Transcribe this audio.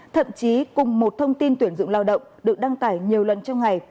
thậm chí cùng một thông tin tuyển dụng lao động được đăng tải nhiều lần trong ngày